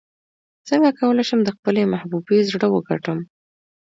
څنګه کولی شم د خپلې محبوبې زړه وګټم